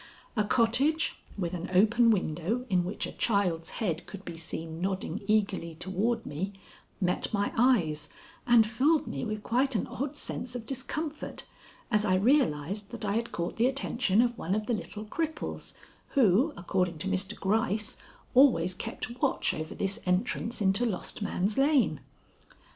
A cottage, with an open window, in which a child's head could be seen nodding eagerly toward me, met my eyes and filled me with quite an odd sense of discomfort as I realized that I had caught the attention of one of the little cripples who, according to Mr. Gryce, always kept watch over this entrance into Lost Man's Lane.